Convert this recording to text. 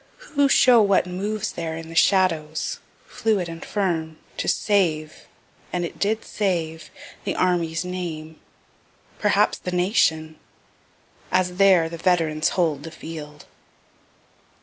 Who show what moves there in the shadows, fluid and firm to save, (and it did save,) the army's name, perhaps the nation? as there the veterans hold the field.